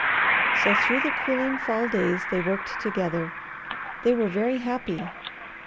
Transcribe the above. So through the cooling fall days they worked together. They were very happy.